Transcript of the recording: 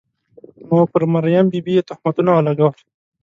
نو پر مریم بي بي یې تهمتونه ولګول.